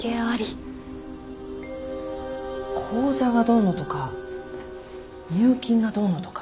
口座がどうのとか入金がどうのとか。